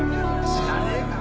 知らねえか。